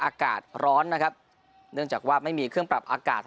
อากาศร้อนนะครับเนื่องจากว่าไม่มีเครื่องปรับอากาศ